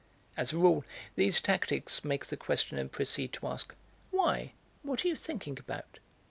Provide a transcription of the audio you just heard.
As a rule these tactics make the questioner proceed to ask, "Why, what are you thinking about?"